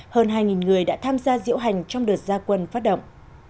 hơn hai người đã tham gia diễu hành trong đợt gia quân phát động